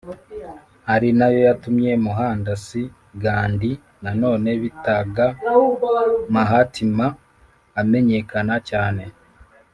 ari na yo yatumye mohandas gandhi nanone bitaga mahatma, amenyekana cyane.